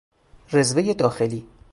رزوهی داخلی